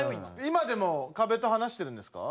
今でもかべと話してるんですか？